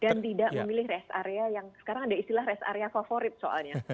dan tidak memilih rest area yang sekarang ada istilah rest area favorit soalnya